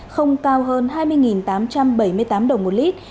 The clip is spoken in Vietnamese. không cao hơn hai mươi tám trăm bảy mươi tám đồng một lít